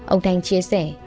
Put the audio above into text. ông thanh chia sẻ